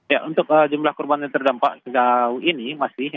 ya untuk jumlah korban yang terdampak sejauh ini masih